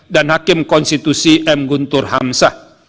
dan hakim konstitusi m guntur hamsah